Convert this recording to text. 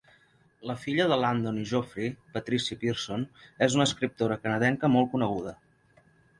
La filla de Landon i Geoffrey, Patricia Pearson, és una escriptora canadenca molt coneguda.